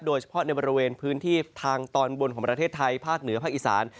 โดยเฉพาะในบริเวณพื้นที่ทางตอนบนของประเทศไทยภาคเหนือภาคอีสาน